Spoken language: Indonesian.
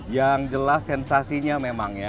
yang jelas sensasinya memang ya